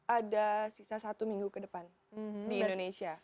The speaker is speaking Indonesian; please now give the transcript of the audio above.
ada sisa satu minggu ke depan di indonesia